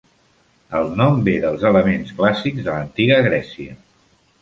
El nom ve dels elements clàssics de l'antiga Grècia.